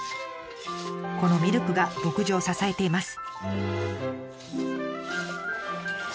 このミルクが牧場を支えています。